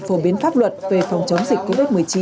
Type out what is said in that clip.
phổ biến pháp luật về phòng chống dịch covid một mươi chín